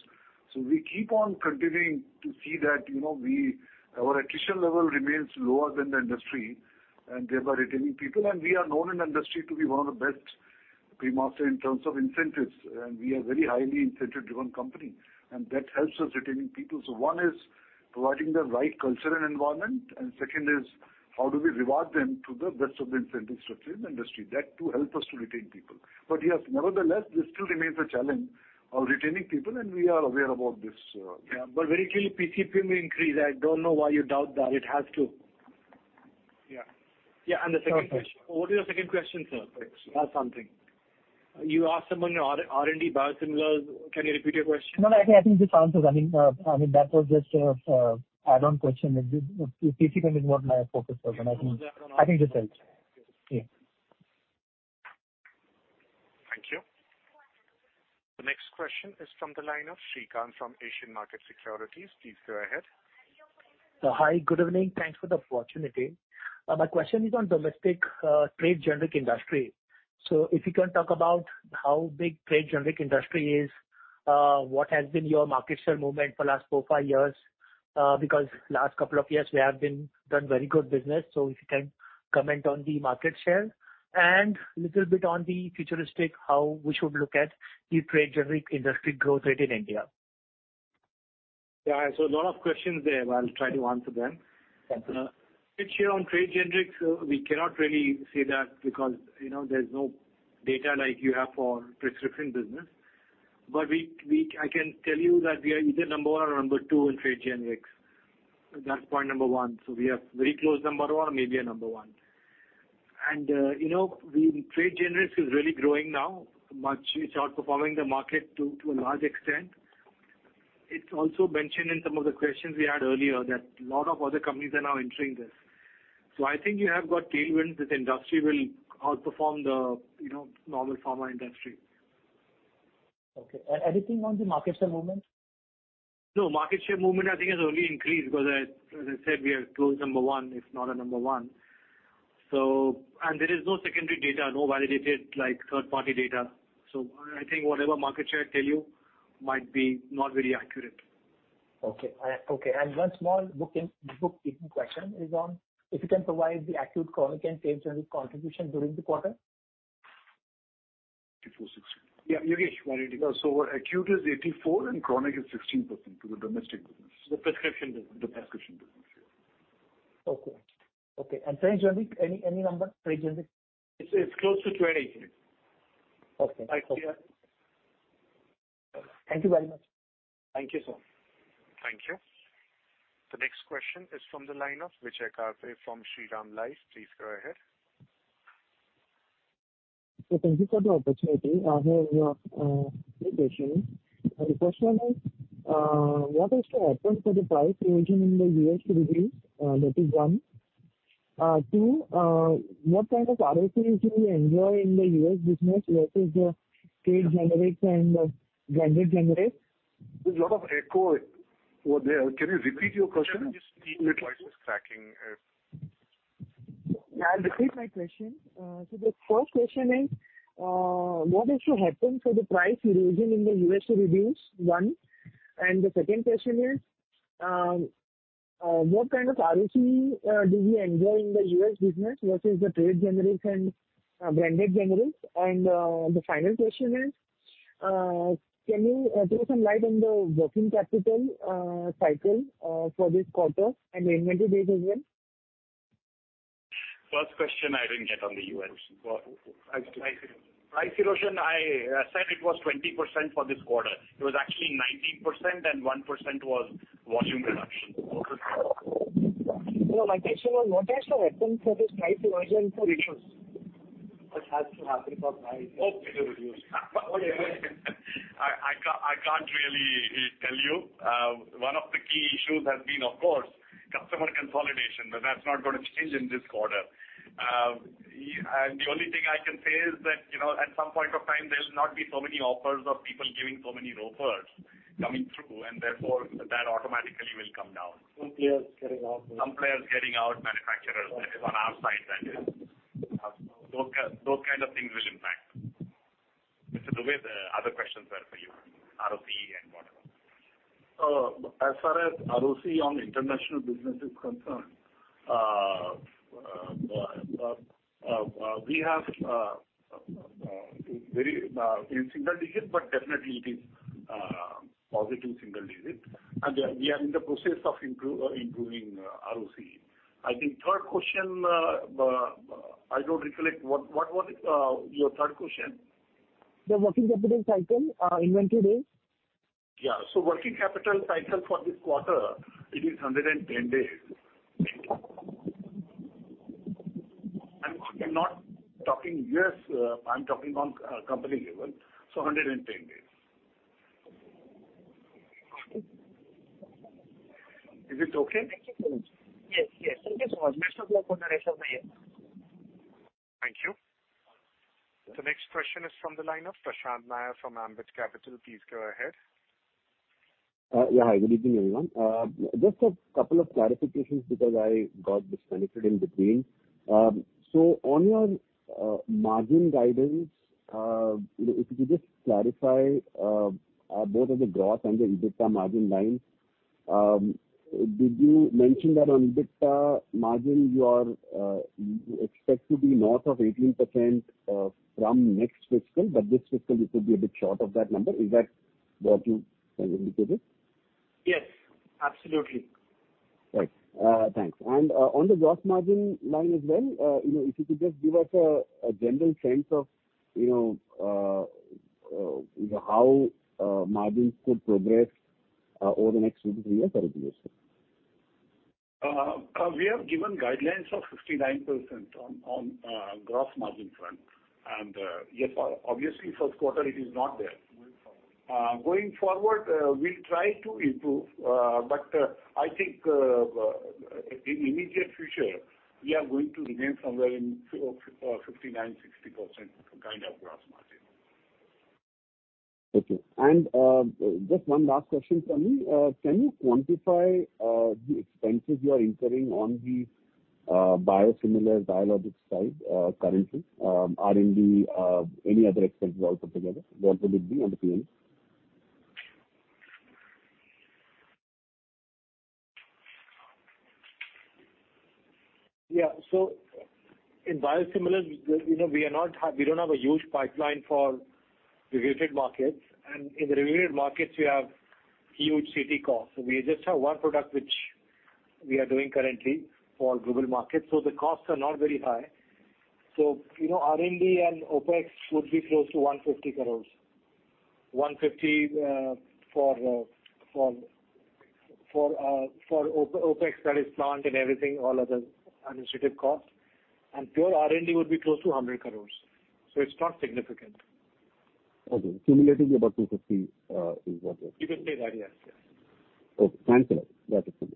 We keep on continuing to see that, you know, our attrition level remains lower than the industry, and thereby retaining people. We are known in industry to be one of the best paymaster in terms of incentives, and we are very highly incentive-driven company, and that helps us retaining people. One is providing the right culture and environment, and second is how do we reward them to the best of the incentive structure in the industry. That too help us to retain people. Yes, nevertheless, this still remains a challenge of retaining people, and we are aware about this. Yeah, very clearly PCP will increase. I don't know why you doubt that. It has to. Yeah. The second question. What is your second question, sir? It's something. You asked someone R&D biosimilars. Can you repeat your question? No, I think this answers. I mean, that was just a add-on question. The PCP is what my focus was, and I think this helps. Yeah. Thank you. The next question is from the line of Srikanth from Asian Markets Securities. Please go ahead. Hi. Good evening. Thanks for the opportunity. My question is on domestic trade generic industry. If you can talk about how big trade generic industry is, what has been your market share movement for last four, five years? Because last couple of years we have done very good business. If you can comment on the market share and little bit on the futuristic, how we should look at the trade generic industry growth rate in India. Yeah. A lot of questions there. I'll try to answer them. Thanks. Market share on trade generics, we cannot really say that because, you know, there's no data like you have for prescription business. But I can tell you that we are either number one or number two in trade generics. That's point number one. We are very close number one, maybe a number one. You know, the trade generics is really growing now much. It's outperforming the market to a large extent. It's also mentioned in some of the questions we had earlier, that lot of other companies are now entering this. I think you have got tailwinds. This industry will outperform the, you know, normal pharma industry. Okay. Anything on the market share movement? No, market share movement I think has only increased because as I said, we are close number one, if not a number one. There is no secondary data, no validated like third party data. I think whatever market share I tell you might be not very accurate. One small bookend, bookkeeping question is on if you can provide the acute, chronic and trade generic contribution during the quarter? Yeah. Yogesh, why don't you go? Our acute is 84% and chronic is 16% to the domestic business. The prescription business. The prescription business, yeah. Okay. Trade generic, any number? Trade generic. It's close to 20%. Okay. I see a- Thank you very much. Thank you, sir. Thank you. The next question is from the line of Vijay Karre from Shriram Life. Please go ahead. Thank you for the opportunity. I have two questions. The first one is, what is the approach for the price erosion in the U.S. business? That is one. Two, what kind of ROCE do you enjoy in the U.S. business versus the trade generics and the branded generics? There's a lot of echo there. Can you repeat your question? Sir, just mute. Your voice is cracking. I'll repeat my question. The first question is, what has to happen for the price erosion in the U.S. to reduce? One. The second question is, what kind of ROC do you enjoy in the U.S. business versus the trade generics and branded generics? The final question is, can you throw some light on the working capital cycle for this quarter and the inventory days as well? First question I didn't get on the U.S. Price erosion. Price erosion, I said it was 20% for this quarter. It was actually 19%, and 1% was volume reduction. No, my question was, what has to happen for this price erosion to reduce? What has to happen for price to reduce? I can't really tell you. One of the key issues has been, of course, customer consolidation, but that's not gonna change in this quarter. The only thing I can say is that, you know, at some point of time, there will not be so many offers of people giving so many offers coming through, and therefore, that automatically will come down. Some players getting out. Some players getting out, manufacturers, that is on our side. Those kind of things will impact. Mr. Dwivedi, other questions were for you, ROC and whatever. As far as ROC on international business is concerned, we have very in single digits, but definitely it is positive single digits. Yeah, we are in the process of improving ROCE. I think third question, I don't recollect. What was your third question? The working capital cycle, inventory days. Yeah. Working capital cycle for this quarter, it is 110 days. I'm not talking U.S., I'm talking on company level, so 110 days. Is it okay? Yes. Yes. Thank you so much. Thank you. Thank you. The next question is from the line of Prashant Nair from Ambit Capital. Please go ahead. Yeah. Good evening, everyone. Just a couple of clarifications because I got disconnected in between. On your margin guidance, if you could just clarify both on the growth and the EBITDA margin line. Did you mention that on EBITDA margin, you are expect to be north of 18% from next fiscal, but this fiscal it could be a bit short of that number. Is that what you kind of indicated? Yes, absolutely. Right. Thanks. On the gross margin line as well, you know, if you could just give us a general sense of, you know, how margins could progress over the next two to three years or it is? We have given guidelines of 59% on gross margin front. Yes, obviously first quarter it is not there. Going forward, we'll try to improve, but I think in immediate future, we are going to remain somewhere in 59%-60% kind of gross margin. Okay. Just one last question for me. Can you quantify the expenses you are incurring on the biosimilar biologic side, currently, R&D, any other expenses all put together? What would it be on the P&L? Yeah. In biosimilars, you know, we don't have a huge pipeline for regulated markets. In the regulated markets, we have huge R&D costs. We just have one product which we are doing currently for global markets, so the costs are not very high. You know, R&D and OpEx would be close to 150 crores. 150 crores for OpEx, that is plant and everything, all other administrative costs. Pure R&D would be close to 100 crores. It's not significant. Okay. Cumulatively about 250 is what you're You can say that, yes. Yes. Okay. Thanks a lot. That is all.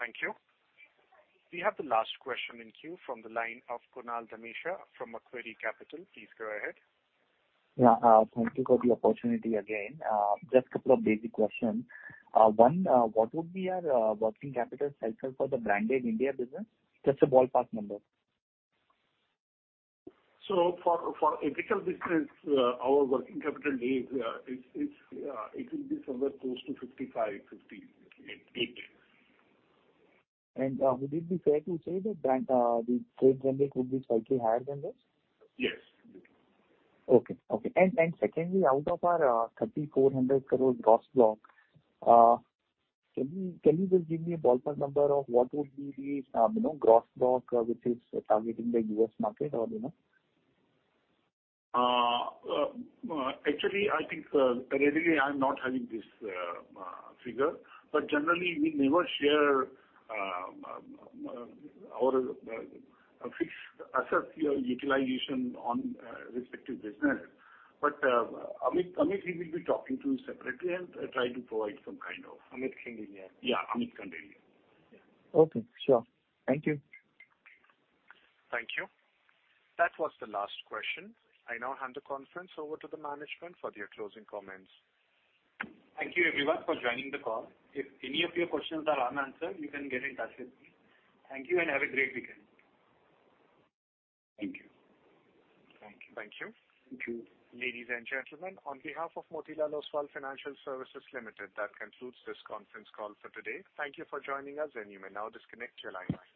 Thank you. We have the last question in queue from the line of Kunal Dhamesha from Macquarie Capital. Please go ahead. Yeah. Thank you for the opportunity again. Just couple of basic questions. One, what would be your working capital cycle for the branded India business? Just a ballpark number. For ethical business, our working capital days it will be somewhere close to 55-58 days. Would it be fair to say that branded, the trade generic would be slightly higher than this? Yes. Okay. Secondly, out of our 3,400 crore gross block, can you just give me a ballpark number of what would be the you know, gross block, which is targeting the U.S. market or you know? Actually, I think right now I'm not having this figure, but generally we never share our fixed asset utilization on respective business. Amit Ghare will be talking to you separately and try to provide some kind of. Amit can give, yeah. Yeah. Amit can give you. Yeah. Okay. Sure. Thank you. Thank you. That was the last question. I now hand the conference over to the management for their closing comments. Thank you everyone for joining the call. If any of your questions are unanswered, you can get in touch with me. Thank you, and have a great weekend. Thank you. Thank you. Thank you. Ladies and gentlemen, on behalf of Motilal Oswal Financial Services Limited, that concludes this conference call for today. Thank you for joining us, and you may now disconnect your landline.